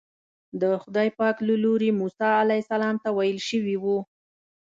د خدای پاک له لوري موسی علیه السلام ته ویل شوي وو.